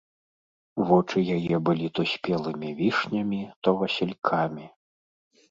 Вочы яе былі то спелымі вішнямі, то васількамі.